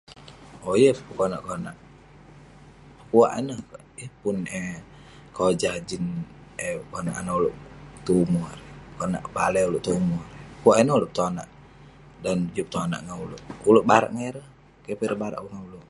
Owk, yeng pun konak konak..pekuwak ineh kerk..yeng pun eh kojah jin eh konak anah ulouk tong umerk erei..konak malai ulouk tong umerk..pekuwak ineh ulouk petonak dan juk petonak ulouk, ulouk barak ngan ireh..keh peh ireh barak ngan ulouk..